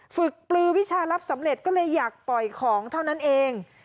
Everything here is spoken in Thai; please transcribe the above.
ฝึกปลือวิชารับสำเร็จก็เลยอยากปล่อยของเท่านั้นเอง